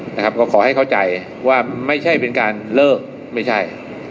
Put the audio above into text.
นะครับก็ขอให้เข้าใจว่าไม่ใช่เป็นการเลิกไม่ใช่